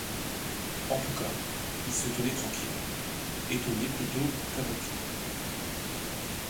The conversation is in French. En tout cas, il se tenait tranquille, étonné plutôt qu’abattu